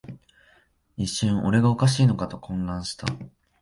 一瞬、俺がおかしいのかと混乱した